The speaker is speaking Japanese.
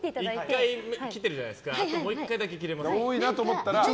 １回切ってるじゃないですかもう１回だけ切れます。